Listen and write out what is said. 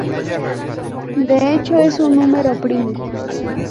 De hecho es un número primo.